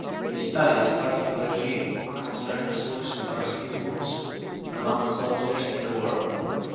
His studies particularly concerned solution for skin wounds among soldiers in the war.